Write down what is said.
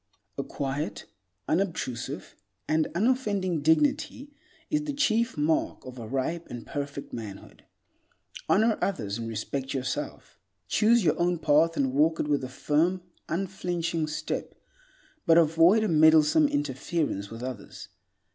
A quiet, unobtrusive, and unoffending dignity is the chief mark of a ripe and perfect manhood. Honor others and respect yourself. Choose your own path and walk it with a firm, unflinching step, but avoid a meddlesome interference with others.